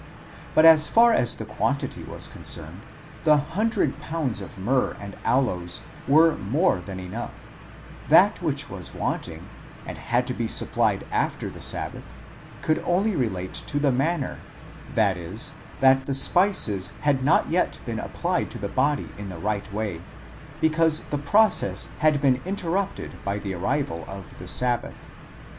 But as far as the quantity was concerned, the hundred pounds of myrrh and aloes were more than enough: that which was wanting, and had to be supplied after the sabbath, could only relate to the manner, ze, that the spices had not yet been applied to the body in the right way—because the process had been inter rupted by the arrival of the sabbath.